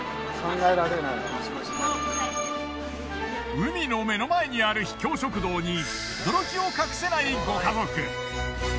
海の目の前にある秘境食堂に驚きを隠せないご家族！